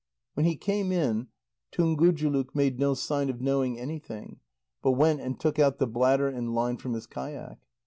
When he came in, Tungujuluk made no sign of knowing anything, but went and took out the bladder and line from his kayak.